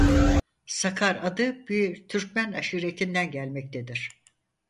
Sakar adı bir Türkmen aşiretinden gelmektedir.